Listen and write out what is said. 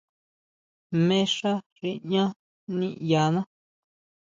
Jmé xá xi ñaʼán niʼyaná.